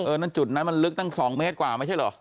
นั่นจุดนั้นมันลึกตั้ง๒เมตรกว่าไม่ใช่เหรอ